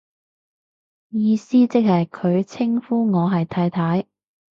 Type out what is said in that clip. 意思即係佢稱呼我係太太